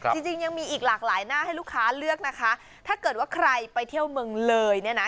จริงจริงยังมีอีกหลากหลายหน้าให้ลูกค้าเลือกนะคะถ้าเกิดว่าใครไปเที่ยวเมืองเลยเนี่ยนะ